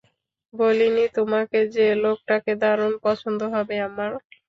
বলিনি তোমাকে যে লোকটাকে দারুণ পছন্দ হবে আমার?